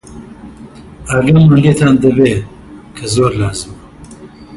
ئاگامان لێتان دەبێ، کە زۆر لازمە